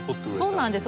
そうなんです。